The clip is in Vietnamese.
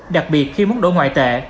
đặc biệt khi muốn đổ ngoại tệ